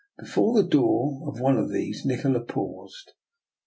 Before the door of one of these Nikola paused.